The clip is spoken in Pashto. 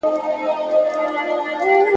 مزمن او ناعلاجه رنځ یوازنی طبیب دی ,